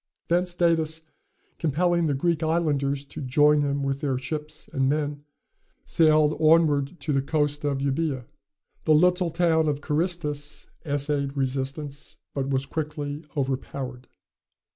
Thence Datis, compelling the Greek islanders to join him with their ships and men, sailed onward to the coast of Euboea. The little town of Carystus essayed resistance, but was quickly overpowered.